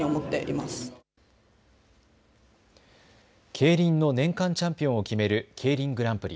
競輪の年間チャンピオンを決めるＫＥＩＲＩＮグランプリ。